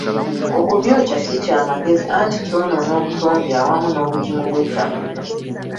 Okubyokya si kya magezi anti ky‘onoona obutonde awamu n'obugimu bw'ettaka.